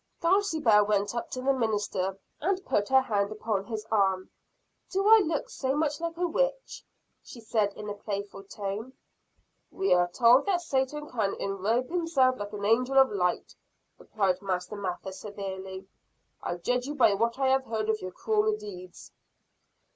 Dulcibel went up to the minister, and put her hand upon his arm: "Do I look so much like a witch?" she said in a playful tone. "We are told that Satan can enrobe himself like an angel of light," replied Master Mather severely. "I judge you by what I have heard of your cruel deeds."